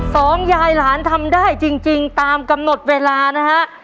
สองยายหลานทำได้จริงตามกำหนดเวลานะฮะ